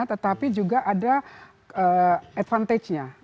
tetapi juga ada advantage nya